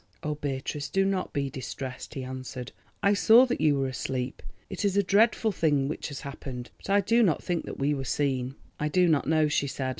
"Oh, Beatrice, do not be distressed," he answered. "I saw that you were asleep. It is a dreadful thing which has happened, but I do not think that we were seen." "I do not know," she said.